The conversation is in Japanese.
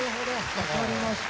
わかりました。